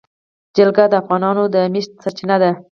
جلګه د افغانانو د معیشت سرچینه ده.